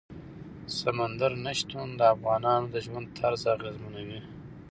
سمندر نه شتون د افغانانو د ژوند طرز اغېزمنوي.